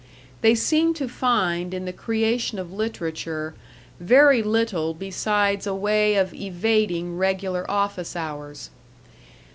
They seem to find in the creation of literature very little besides a way of evading regular office hours.